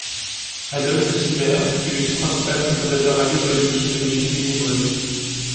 Adolphe Sibert fut le principal présentateur radiophonique de musiques viennoises.